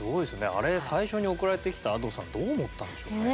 あれ最初に送られてきたＡｄｏさんどう思ったんでしょうね。